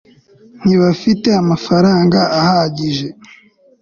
ntibafite amafaranga ahagije